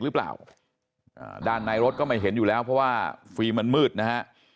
หรือเปล่าอ่าด้านในรถก็ไม่เห็นอยู่แล้วเพราะว่าฟิล์มันมืดนะฮะ